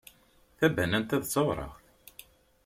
Tabanant-a d tawraɣt.